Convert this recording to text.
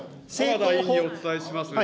浜田委員にお伝えします。